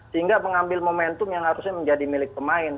sehingga mengambil momentum yang harusnya menjadi milik pemain